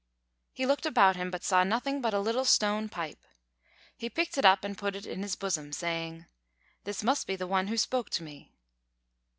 He looked about him, but saw nothing but a little stone pipe. He picked it up, and put it in his bosom, saying: "This must be the one who spoke to me."